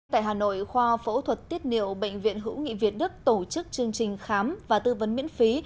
tại hà nội khoa phẫu thuật tiết niệu bệnh viện hữu nghị việt đức tổ chức chương trình khám và tư vấn miễn phí